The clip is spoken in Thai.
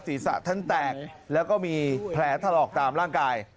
ศีรษะท่านแตกแล้วก็มีแผลถลอกตามร่างกาย